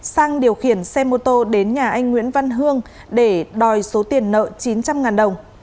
sang điều khiển xe mô tô đến nhà anh nguyễn văn hương để đòi số tiền nợ chín trăm linh đồng